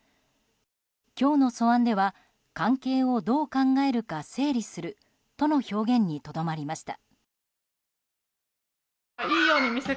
今日の素案では関係をどう考えるか整理するとの表現にとどまりました。